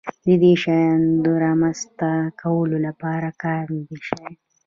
د دې شیانو د رامنځته کولو لپاره کار نه دی شوی.